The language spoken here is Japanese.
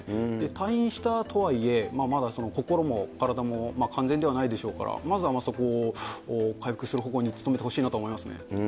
退院したとはいえ、まだ心も体も完全ではないでしょうから、まずは、そこを回復する方向に努めてほしいなと思いますね。